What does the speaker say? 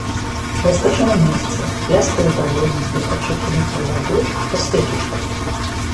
Я скачу на месцы, пляскаю ў далоні і хачу кінуцца ў ваду па свечачку.